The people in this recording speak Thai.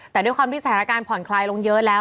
แต่ด้วยความที่สถานการณ์ผ่อนคลายลงเยอะแล้ว